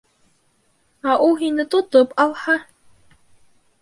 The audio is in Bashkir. — Ә ул һине тотоп ал-һа?